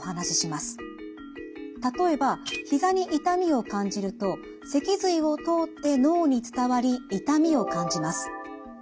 例えばひざに痛みを感じると脊髄を通って脳に伝わり痛みを感じます。